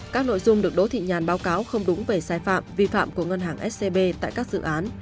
các nội dung được đỗ thị nhàn báo cáo không đúng về sai phạm vi phạm của ngân hàng scb tại các dự án